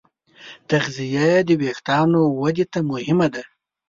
تغذیه د وېښتیانو ودې ته مهمه ده.